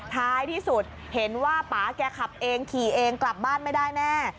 ท้ายที่สุดเห็นว่าป๊าแกขับเองขี่เองกลับบ้านไม่ได้แน่